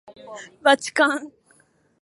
ばちかん